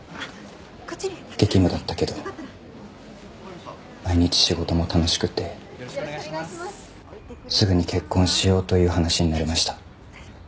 激務だったけど毎日仕事も楽しくてすぐに結婚しようという話になりました。